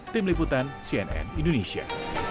tim liputan cnn indonesia